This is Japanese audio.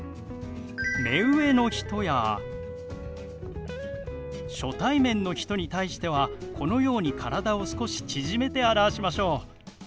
目上の人や初対面の人に対してはこのように体を少し縮めて表しましょう。